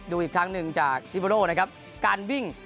ดูอีกครั้งหนึ่งจากอิบโอโน่การวิ่ง